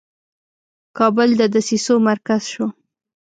کابل د دسیسو مرکز شو.